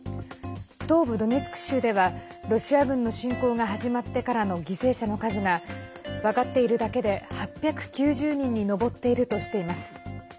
東部ドネツク州ではロシア軍の侵攻が始まってからの犠牲者の数が分かっているだけで８９０人に上っているとしています。